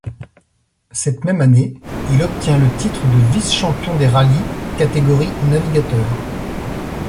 Cette même année, il obtient le titre de vice-champion des rallyes, catégorie navigateur.